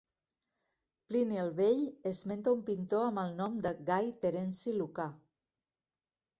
Plini el Vell esmenta un pintor amb el nom de Gai Terenci Lucà.